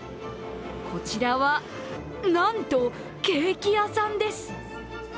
こちらはなんとケーキ屋さんです。